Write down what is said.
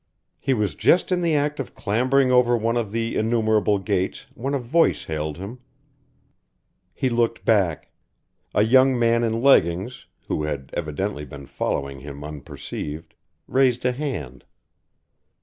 He was just in the act of clambering over one of the innumerable gates when a voice hailed him. He looked back. A young man in leggings, who had evidently been following him unperceived, raised a hand.